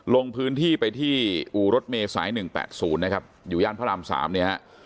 ลงพื้นที่ไปที่อู่รถเมย์สาย๑๘๐อยู่ย่านพระราม๓นี้